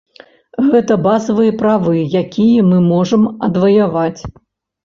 Гэта базавыя правы, якія мы можам адваяваць.